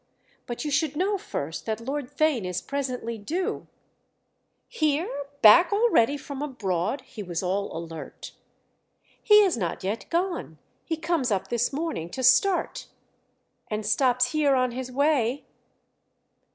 But you should know first that Lord Theign is presently due—" "Here, back already from abroad?"—he was all alert. "He has not yet gone—he comes up this morning to start." "And stops here on his way?"